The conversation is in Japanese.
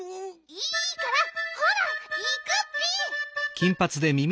いいからほらいくッピ！